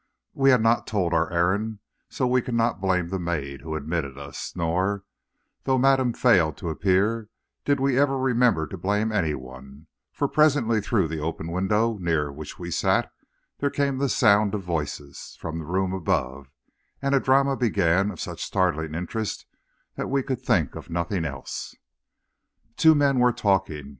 We had not told our errand, so we could not blame the maid who admitted us, nor, though madame failed to appear, did we ever remember to blame any one, for presently through the open window near which we sat there came the sound of voices from the room above, and a drama began of such startling interest that we could think of nothing else. "Two men were talking.